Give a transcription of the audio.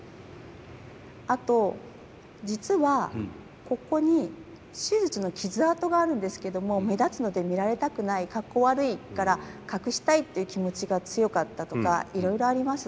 あと実はここに手術の傷痕があるんですけども目立つので見られたくないかっこ悪いから隠したいっていう気持ちが強かったとかいろいろあります。